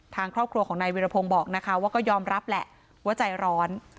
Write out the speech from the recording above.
ทางครอบครัวของนายวิรพงศ์บอกนะคะว่าก็ยอมรับแหละว่าใจร้อน